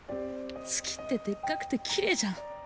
月ってでっかくてキレイじゃん